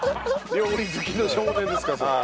料理好きの少年ですからそれ。